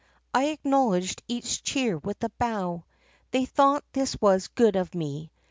"I acknowledged each cheer with a bow. They thought this was good of me.